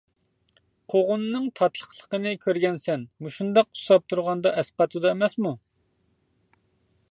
قوغۇننىڭ تاتلىقلىقىنى كۆرگەنسەن، مۇشۇنداق ئۇسساپ تۇرغاندا ئەسقاتىدۇ، ئەمەسمۇ.